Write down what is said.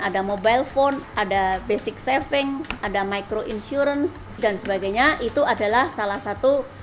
ada mobile phone ada basic saving ada microinsurence dan sebagainya itu adalah salah satu